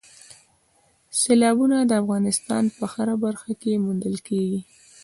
سیلابونه د افغانستان په هره برخه کې موندل کېږي.